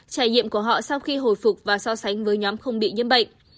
trải nghiệm của họ sau khi hồi phục và so sánh với nhóm không bị nhiễm bệnh